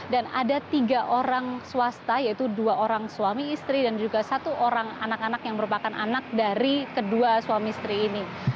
dan ada tiga orang swasta yaitu dua orang suami istri dan juga satu orang anak anak yang merupakan anak dari kedua suami istri ini